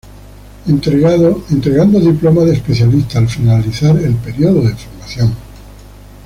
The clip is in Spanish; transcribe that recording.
Entregando diploma de Especialista al finalizar el periodo de formación.